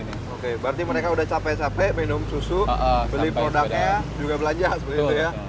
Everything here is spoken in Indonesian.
oke berarti mereka udah capek capek minum susu beli produknya juga belanja seperti itu ya